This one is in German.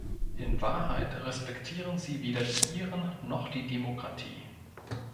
In Wahrheit respektieren sie weder die Iren noch die Demokratie.